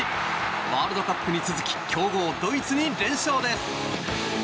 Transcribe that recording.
ワールドカップに続き強豪ドイツに連勝です。